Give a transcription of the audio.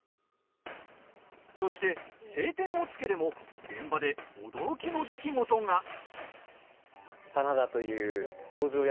そして「青天を衝け」でも現場で驚きの出来事が。